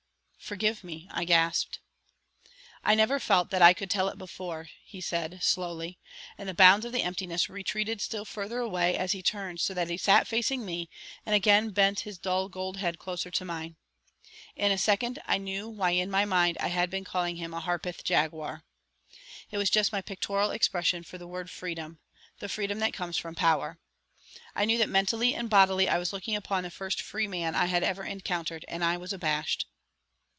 "Forgive me," I gasped. "I never felt that I could tell it before," he said, slowly, and the bounds of the emptiness retreated still further away as he turned so that he sat facing me and again bent his dull gold head closer to mine. In a second I knew why in my mind I had been calling him a Harpeth jaguar. It was just my pictorial expression for the word freedom, the freedom that comes from power. I knew that mentally and bodily I was looking upon the first free man I had ever encountered, and I was abashed.